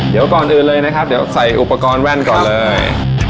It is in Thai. เดี๋ยวก่อนอื่นเลยนะครับเดี๋ยวใส่อุปกรณ์แว่นก่อนเลย